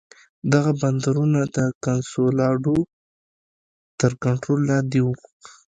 دغه بندرونه د کنسولاډو تر کنټرول لاندې وو.